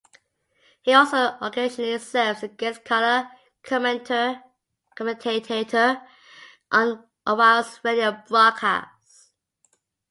He also occasionally serves a guest color commentator on Orioles radio broadcasts.